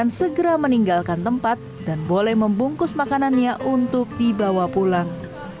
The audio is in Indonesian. akan segera meninggalkan tempat dan boleh membungkus makanannya untuk dibawa pulang